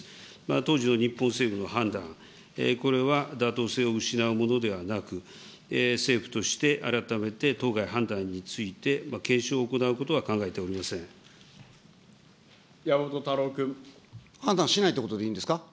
当時の日本政府の判断、これは妥当性を失うものではなく、政府として改めて当該判断について、検証を行うことは考えており山本太郎君。判断しないということでいいんですか。